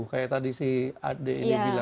kayak tadi si ade ini bilang